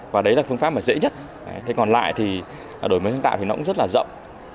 và đấy là phương pháp mà dễ nhất thế còn lại thì đổi mới sáng tạo thì nó cũng rất là rộng